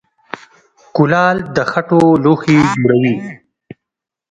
کولال د خټو لوښي جوړوي